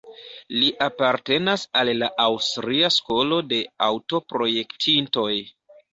Li apartenas al la Aŭstria skolo de aŭto-projektintoj.